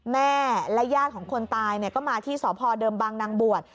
แม่และญาติของคนตายก็มาที่สพเดิมบางนางบวช